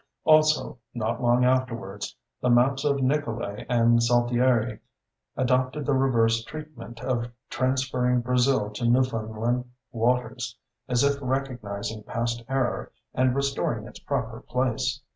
Also, not long afterwards, the maps of Nicolay and Zaltieri adopted the reverse treatment of transferring Brazil to Newfoundland waters, as if recognizing past error and restoring its proper place.